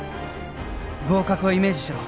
合格をイメージしろ！